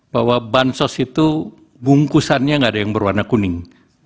bahwa bansos itu bungkusannya nggak ada yang berwarna kuning